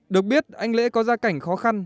được biết anh lễ có gia cảnh khó khăn